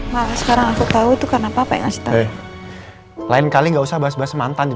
malah sekarang aku tau itu karena papa yang ngasih tau